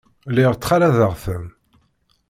Lliɣ ttxalaḍeɣ-ten.